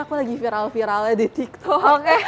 aku lagi viral viralnya di tiktok